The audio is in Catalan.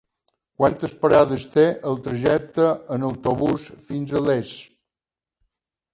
Quantes parades té el trajecte en autobús fins a Les?